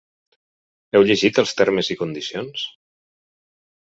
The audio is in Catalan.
Heu llegit els termes i condicions?